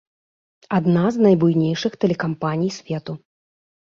Адна з найбуйнейшых тэлекампаній свету.